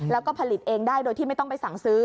แล้วก็ผลิตเองได้โดยที่ไม่ต้องไปสั่งซื้อ